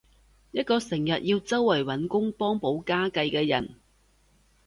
一個成日要周圍搵工幫補家計嘅人